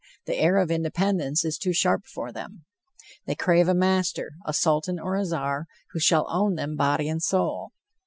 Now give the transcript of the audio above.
The air of independence is too sharp for them. They crave a master, a Sultan or a Czar, who shall own them body and soul.